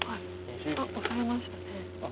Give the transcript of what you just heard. オサえましたね。